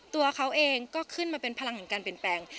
ตัวเขาเองก็ขึ้นมาเป็นพลังแห่งการเปลี่ยนแปลง